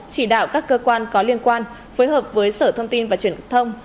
chỉ đạo các cơ quan có liên quan phối hợp với sở thông tin và truyền thông